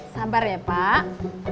sabar ya pak